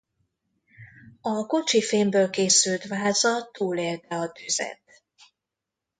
A kocsi fémből készült váza túlélte a tüzet.